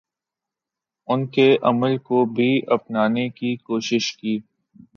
ان کے عمل کو بھی اپنانے کی کوشش کی